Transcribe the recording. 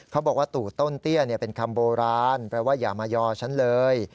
เขาบอกว่าตู่ต้นเตี้ยเป็นคำโบราณแปลว่าอย่ามายอฉันเลย